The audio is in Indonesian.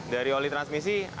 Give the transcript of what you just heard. dari oli transmisi minyak transmisi